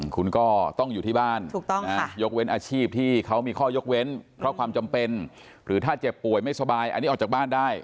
คุณก็ต้องอยู่ที่บ้านยกเว้นอาชีพที่เขามีข้อยกเว้นเพราะความจำเป็นหรือถ้าเจ็บป่วยไม่สบายอันนี้ออกจากบ้านได้